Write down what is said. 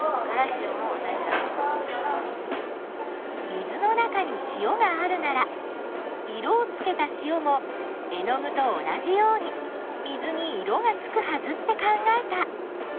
水の中に塩があるなら色をつけた塩も絵の具と同じように水に色がつくはずって考えた。